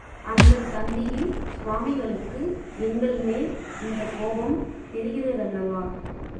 அந்தத் தந்தியில் சுவாமிகளுக்கு எங்கள்மேல் இருந்த கோபம் தெரிகிறதல்லவா?